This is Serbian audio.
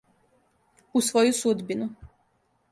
У своју судбину.